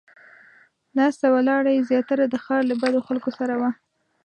ناسته ولاړه یې زیاتره د ښار له بدو خلکو سره وه.